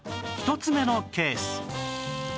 １つ目のケース